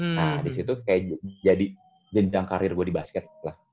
nah disitu kayak jadi jendang karir gue di basket lah